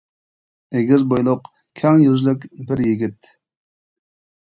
ئېگىر بويلۇق، كەڭ يۈزلۈك بىر يىگىت.